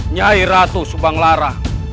nyai ratu subang lara